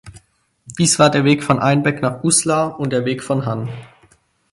Dies war der Weg von Einbeck nach Uslar und der Weg von Hann.